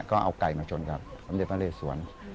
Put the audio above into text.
ก็เอาไก่มาชนกับสมเด็จพระเรสวน